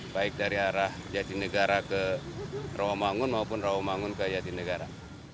baik dari arah jati negara ke rawamangun maupun rawamangun ke jati negara